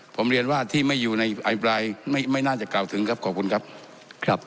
ผมเรียนว่าที่ไม่อยู่ในอภิปรายไม่ไม่น่าจะกล่าวถึงครับขอบคุณครับครับ